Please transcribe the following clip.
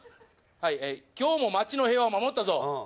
はい「今日も町の平和を守ったぞ」